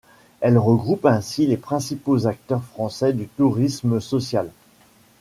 Elle regroupe ainsi les principaux acteurs français du tourisme social.